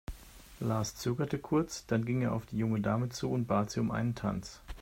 Lars zögerte kurz, dann ging er auf die junge Dame zu und bat sie um einen Tanz.